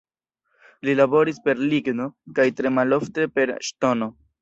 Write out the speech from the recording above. Li laboris per ligno kaj tre malofte per ŝtono.